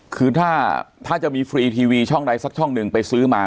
คือถ้าจะมีฟรีทีวีช่องใดสักช่องหนึ่งไปซื้อมา